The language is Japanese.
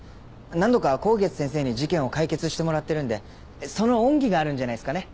何度か香月先生に事件を解決してもらってるんでその恩義があるんじゃないっすかね？